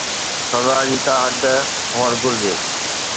سزا جي ڪا حد هئڻ گهرجي